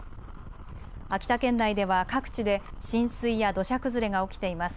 秋田県内では各地で浸水や土砂崩れが起きています。